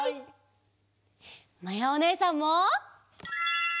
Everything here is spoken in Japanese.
まやおねえさんも！